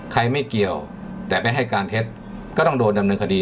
ไม่เกี่ยวแต่ไม่ให้การเท็จก็ต้องโดนดำเนินคดี